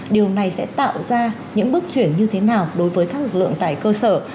điều này sẽ tạo ra những bước chuyển như thế nào đối với các lực lượng tại cơ sở